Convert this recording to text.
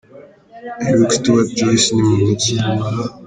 Eric Stuart Joyce ni muntu ki?